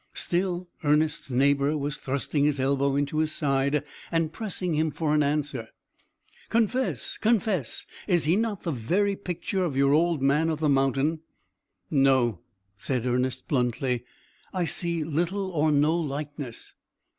Still, Ernest's neighbour was thrusting his elbow into his side, and pressing him for an answer. "Confess! confess! Is not he the very picture of your Old Man of the Mountain?" "No!" said Ernest, bluntly, "I see little or no likeness."